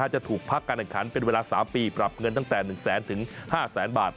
จะถูกพักการแข่งขันเป็นเวลา๓ปีปรับเงินตั้งแต่๑แสนถึง๕แสนบาท